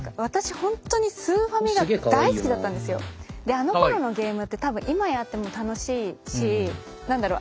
あのころのゲームって多分今やっても楽しいし何だろう